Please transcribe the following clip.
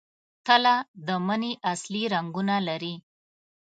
تله د مني اصلي رنګونه لري.